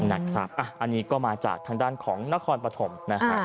อันนี้ก็มาจากทางด้านของนครปฐมนะฮะ